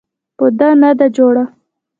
په ده نه ده جوړه.